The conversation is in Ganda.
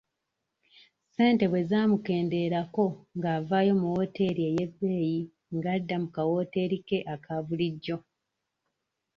Ssente bwe zaamukenderangako ng'avaayo mu wooteeri ey'ebbeeyi ng'adda mu kawooteri ke aka bulijjo.